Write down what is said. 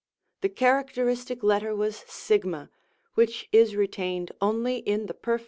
The characteristic letter was Sigma, which is retained only in the Perf.